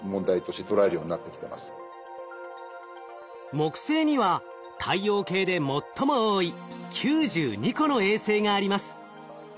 木星には太陽系で最も多い９２個の衛星があります。